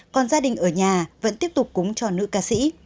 còn gia đình ở nhà vẫn tiếp tục cúng cho nữ ca sĩ